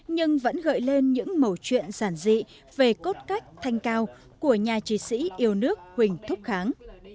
nhưng vẫn gợi lên những mẫu chuyện giản dị về cốt cách thanh cao của nhà trí sĩ yêu nước huỳnh thúc kháng